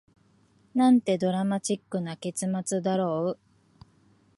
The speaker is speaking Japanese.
なんてドラマチックな結末だろう